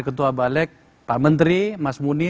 ketua balik pak menteri mas muni